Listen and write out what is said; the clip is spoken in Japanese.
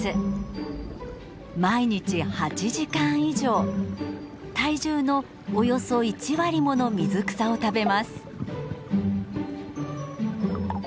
毎日８時間以上体重のおよそ１割もの水草を食べます。